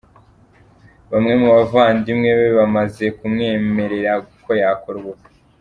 Bamwe mu bavandimwe be bamaze kumwemerera ko yakora ubukwe.